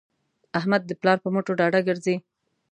احمد د پلار په مټو ډاډه ګرځي.